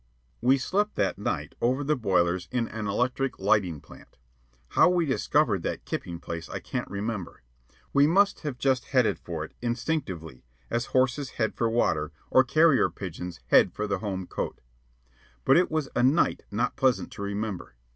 We slept that night over the boilers in an electric lighting plant. How we discovered that "kipping" place I can't remember. We must have just headed for it, instinctively, as horses head for water or carrier pigeons head for the home cote. But it was a night not pleasant to remember.